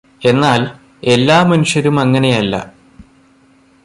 എന്നാൽ, എല്ലാ മനുഷ്യരുമങ്ങനെയല്ല.